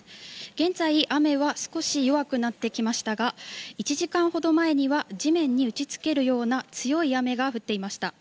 現在雨は少し弱くなってきましたが１時間ほど前には地面に打ち付けるような強い雨が降っていました。